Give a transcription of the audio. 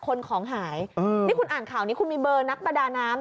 คนของหายนี่คุณอ่านข่าวนี้คุณมีเบอร์นักประดาน้ำ